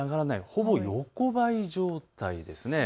ほぼ横ばい状態です。